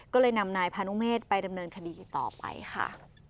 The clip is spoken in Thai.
ก็เลยนำนายพานุเมฆไปดำเนินคดีต่อไปค่ะ